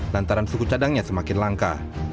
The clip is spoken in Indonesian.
lantaran suku cadangnya semakin langka